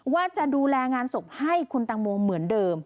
ว่าจะดูแลงานศพให้คุณตังโมเหมือนเดิม